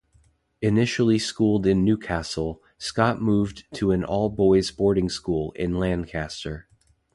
Initially schooled in Newcastle, Scott moved to an all-boys boarding school in Lancaster.